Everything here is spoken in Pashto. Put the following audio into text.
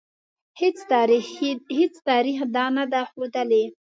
هیڅ تاریخ دا نه ده ښودلې.